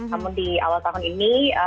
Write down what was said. namun di awal tahun ini